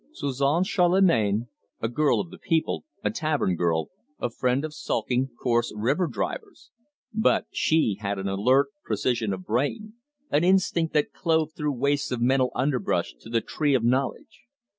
Suzon Charlemagne a girl of the people, a tavern girl, a friend of sulking, coarse river drivers! But she had an alert precision of brain, an instinct that clove through wastes of mental underbrush to the tree of knowledge.